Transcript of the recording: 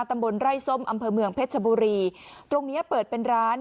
ตำบลไร่ส้มอำเภอเมืองเพชรชบุรีตรงเนี้ยเปิดเป็นร้าน